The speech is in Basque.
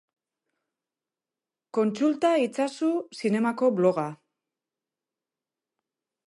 Kontsulta itzazu zinemako bloga.